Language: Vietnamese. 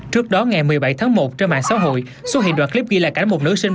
trước đó ngày một mươi bảy tháng một trên mạng xã hội xuất hiện đoạn clip ghi lại cảnh một nữ sinh